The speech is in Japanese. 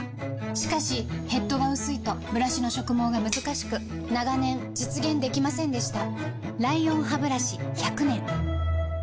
しかしヘッドが薄いとブラシの植毛がむずかしく長年実現できませんでした